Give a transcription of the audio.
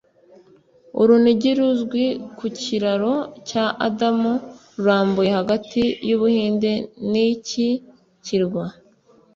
Urunigi ruzwi ku kiraro cya Adam rurambuye hagati y'Ubuhinde n’ iki cyirwa